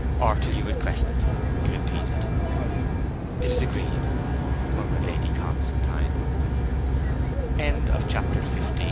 'Or till you request it,' he repeated. 'It is agreed,' murmured Lady Constantine, XVI After this there only r